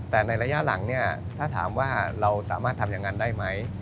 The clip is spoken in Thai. แต่ในระยะหลังเนี่ยถ้าถามว่าเราสามารถทำอย่างนั้นได้ไหม